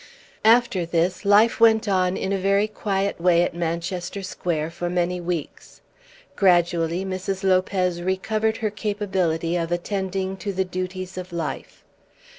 After this, life went on in a very quiet way at Manchester Square for many weeks. Gradually Mrs. Lopez recovered her capability of attending to the duties of life.